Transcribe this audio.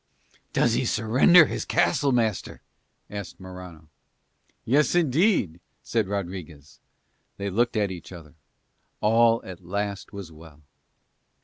"Does he surrender his castle, master?" asked Morano. "Yes, indeed," said Rodriguez. They looked at each other: all at last was well.